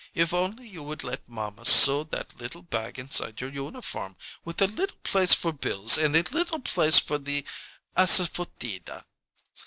If only you would let mamma sew that little bag inside your uniform, with a little place for bills and a little place for the asafoetida!"